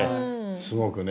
すごくね。